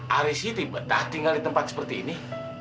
hari siti betah tinggal di tempat seperti ini